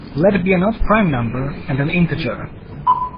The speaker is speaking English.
Let be an odd prime number and an integer.